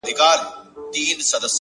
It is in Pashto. هره تجربه د انسان شکل بیا جوړوي,